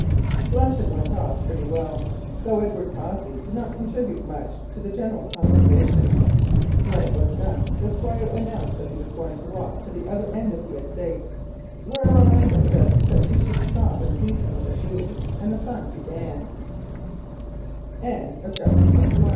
Luncheon went off pretty well, though Edward Cossey did not contribute much to the general conversation. When it was done the Squire announced that he was going to walk to the other end of the estate, whereon Ida said that she should stop and see something of the shooting, and the fun began. CHAPTER XXII. THE E